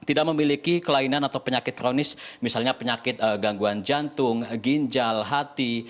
tidak memiliki kelainan atau penyakit kronis misalnya penyakit gangguan jantung ginjal hati